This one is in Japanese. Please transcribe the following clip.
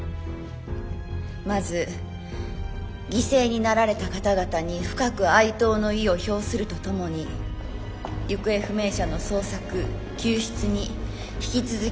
まず犠牲になられた方々に深く哀悼の意を表するとともに行方不明者の捜索救出に引き続き全力を尽くしてまいります。